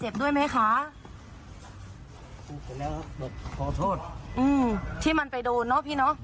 ด้วยไหมคะบอกขอโทษอืมที่มันไปโดนเนอะพี่เนอะ